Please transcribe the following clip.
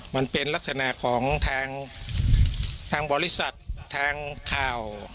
มันเป็นลักษณะของทางบริษัททางข่าว